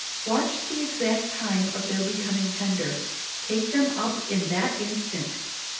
Watch the exact time of their becoming tender; take them up that instant.